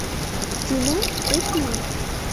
টিনা, এ কী।